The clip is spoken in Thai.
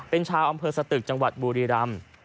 เป็นชาวอำเภอสตึกจังหวัดบุรีรำ